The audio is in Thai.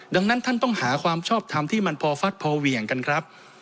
ดังนั้นท่านต้องหาความชอบทำที่มันพอฟัดพอเหวี่ยงกันครับ